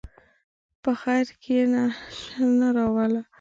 په خیر کښېنه، شر نه راوله.